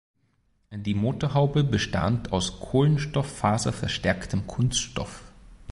Die Motorhaube bestand aus kohlenstofffaserverstärktem Kunststoff.